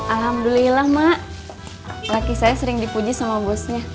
alhamdulillah mak laki saya sering dipuji sama bosnya